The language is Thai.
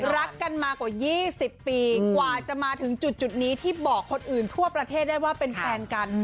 รักกันมากว่า๒๐ปีกว่าจะมาถึงจุดนี้ที่บอกคนอื่นทั่วประเทศได้ว่าเป็นแฟนกัน